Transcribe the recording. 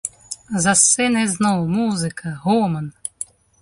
За сцэнай зноў музыка, гоман.